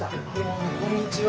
こんにちは。